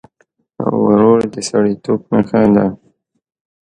ورور د سړيتوب نښه ده.